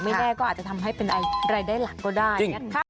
ไม่แรกก็อาจจะทำให้เป็นอะไรได้หลังก็ได้